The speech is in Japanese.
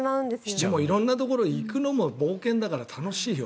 でも色々なところに行くのも冒険だから楽しいよ。